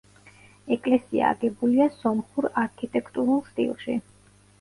ეკლესია აგებულია სომხურ არქიტექტურულ სტილში.